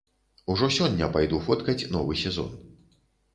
Ужо сёння пайду фоткаць новы сезон.